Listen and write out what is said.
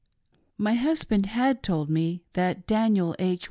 My husband told me that Daniel H.